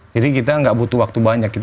jadi kita enggak butuh waktu banyak